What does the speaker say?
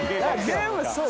全部そう。